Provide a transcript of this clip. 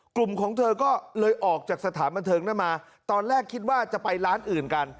กลุ่มของเธอก็เลยออกจากสถานบันเทิงนั้นมาตอนแรกคิดว่าจะไปร้านอื่นกัน